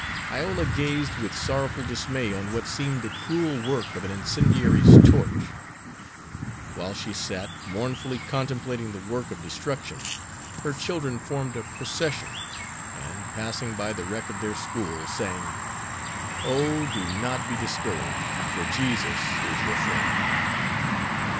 Iola gazed with sorrowful dismay on what seemed the cruel work of an incendiary's torch. While she sat, mournfully contemplating the work of destruction, her children formed a procession, and, passing by the wreck of their school, sang: "Oh, do not be discouraged, For Jesus is your friend."